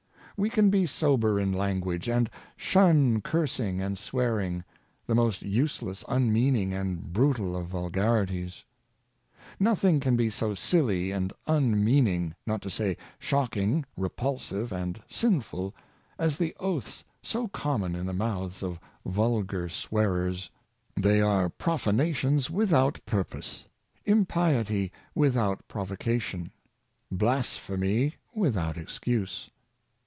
We can be sober in language, and shun cursing and swearing — the most useless, unmeaning, and brutal of vulgarities. Nothing can be so silly and unmeaning — not to say shocking, repulsive, and sinful — as the oaths so common in the mouths of vulgar swearers. They are profanation without purpose ; impiety without prov ocation; blasphemy without excuse.